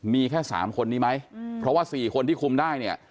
มีแค่๓คนนี้ไหมเพราะว่า๔คนที่คุมได้เนี่ย